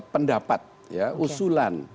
pendapat ya usulan